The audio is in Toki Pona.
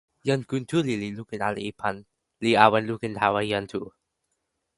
jan Kuntuli li lukin ala e pan, li awen lukin tawa jan Tu.